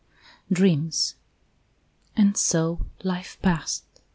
DREAMS And so life passed.